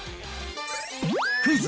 クイズ！